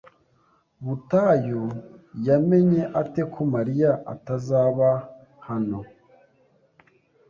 Butayu yamenye ate ko Mariya atazaba hano?